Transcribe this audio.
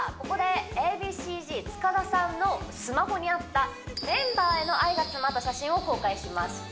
ここでＡ．Ｂ．Ｃ−Ｚ塚田さんのスマホにあったメンバーへの愛が詰まった写真を公開します